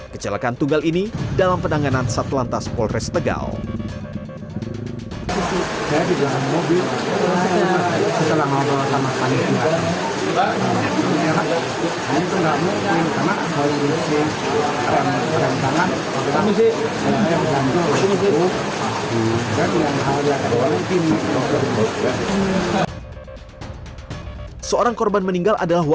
kecelakaan tunggal ini dalam penanganan satu lantas polres tegal